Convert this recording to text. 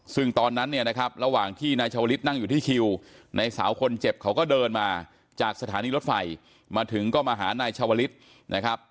ซึ่งตอนนั้นเนี่ยนะครับระหว่างที่นายชาวลิศนั่งอยู่ที่คิวนายสาวคนเจ็บเขาก็เดินมาจากสถานีรถไฟมาถึงก็มาหานายชาวลิศนะครับ